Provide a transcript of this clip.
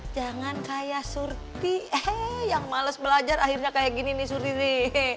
jangan kayak surti eh yang males belajar akhirnya kayak gini nih surti